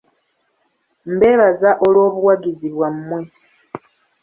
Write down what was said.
Mbeebaza olw'obuwagizi bwammwe.